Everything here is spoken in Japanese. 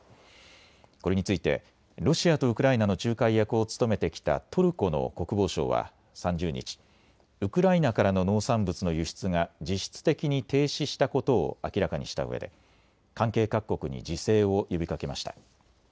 これについてロシアとウクライナの仲介役を務めてきたトルコの国防省は３０日、ウクライナからの農産物の輸出が実質的に停止したことを明らかにしたうえで関係各国に自制を呼びかけました。